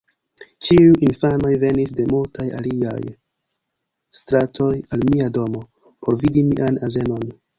Ĉiuj infanoj venis de multaj aliaj stratoj, al mia domo, por vidi mian azenon.